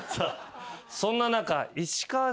そんな中。